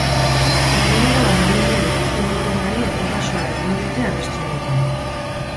Egunero aldamenean ikusten dutenari errepasoa egin diote abesti honetan.